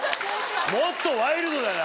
もっとワイルドだな！